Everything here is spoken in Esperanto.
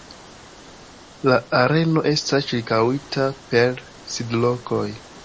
La areno estas ĉirkaŭita per sidlokoj.